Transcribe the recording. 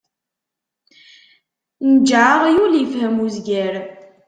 Nǧeɛ aɣyul, ifhem uzger.